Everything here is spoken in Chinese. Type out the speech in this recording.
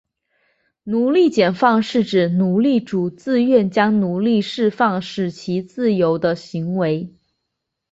奴隶解放是指奴隶主自愿将奴隶释放以使其自由的行为。